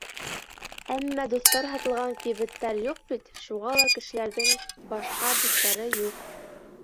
Әммә дуҫтар һатылған кибеттәр юҡ бит, шуға ла кешеләрҙең башҡа дуҫтары юҡ.